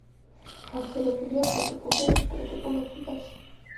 გავრცელებულია ტროპიკულ და სუბტროპიკულ აფრიკაში.